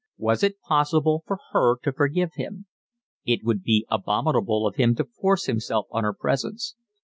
Was it possible for her to forgive him? It would be abominable of him to force himself on her presence.